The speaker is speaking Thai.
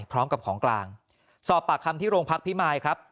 พร้อมกับของกลางสอบปากคำที่โรงพักพิมายครับ